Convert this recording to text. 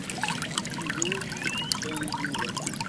Yeggra-iyi-d kan yiwen.